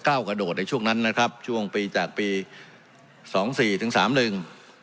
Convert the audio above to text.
กระโดดในช่วงนั้นนะครับช่วงปีจากปีสองสี่ถึงสามหนึ่ง